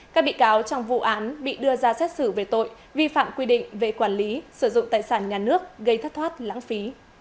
các bị cáo trong vụ án bị đưa ra xét xử về tội vi phạm quy định về quản lý sử dụng tài sản nhà nước gây thất thoát lãng phí